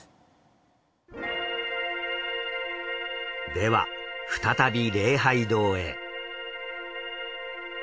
では再び「礼拝堂」へ。